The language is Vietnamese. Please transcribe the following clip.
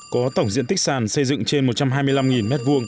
có tổng diện tích sàn xây dựng trên một trăm hai mươi năm m hai